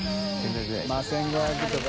泙１５００とか。